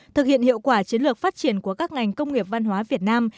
thực hiện hiệu quả chiến lược phát triển của các ngành công nghiệp văn hóa việt nam